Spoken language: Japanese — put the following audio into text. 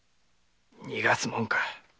逃がすもんか！